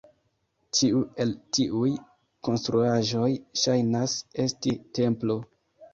Ĉiu el tiuj konstruaĵoj ŝajnas esti templo.